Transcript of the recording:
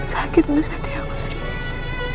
sakit bener hati aku sri mas